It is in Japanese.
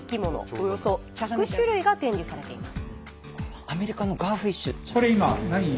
およそ１００種類が展示されています。